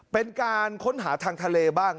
เป็นการค้นหาทางทะเลบ้าง